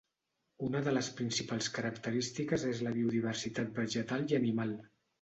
Una de les principals característiques és la biodiversitat vegetal i animal.